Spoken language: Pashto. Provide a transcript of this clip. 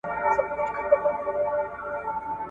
دا کار ستاسې روحیه تازه کوي.